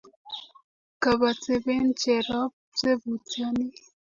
Kabateben Cherop tebutyoni